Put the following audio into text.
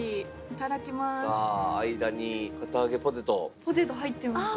いただきます。